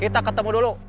kita ketemu dulu